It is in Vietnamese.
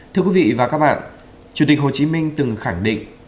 thưa quý vị và các bạn chủ tịch hồ chí minh từng khẳng định